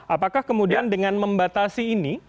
apakah kemudian dengan membatasi ini